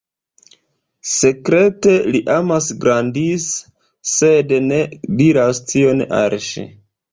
Sekrete li amas Grandis, sed ne diras tion al ŝi.